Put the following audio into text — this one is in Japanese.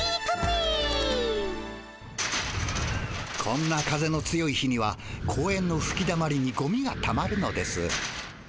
こんな風の強い日には公園のふきだまりにゴミがたまるのです。